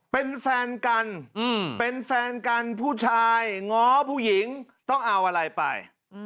เป็นแฟนกันเป็นแฟนกันผู้ชายง้อผู้หญิงต้องเอาอะไรไป